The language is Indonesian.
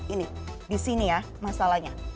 ini di sini ya masalahnya